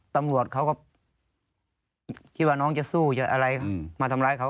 ตำรวจเขาก็คิดว่าน้องจะสู้จะอะไรมาทำร้ายเขา